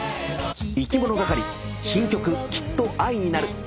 いきものがかり新曲『きっと愛になる』